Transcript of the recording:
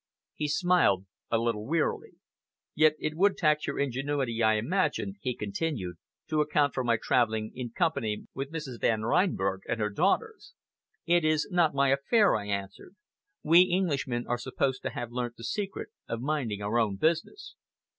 He smiled a little wearily. "Yet it would tax your ingenuity, I imagine," he continued, "to account for my travelling in company with Mrs. Van Reinberg and her daughters." "It is not my affair," I answered. "We Englishmen are supposed to have learnt the secret of minding our own business."